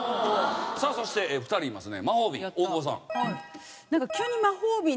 さあそして２人いますね魔法瓶。